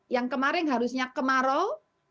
yang kemarin harusnya kemarau